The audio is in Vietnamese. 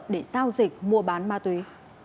để giao dịch mua bán ma túy